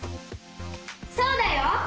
そうだよ！